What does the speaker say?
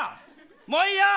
もういいよ。